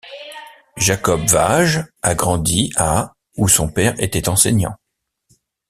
Jakob Vaage a grandi à où son père était enseignant.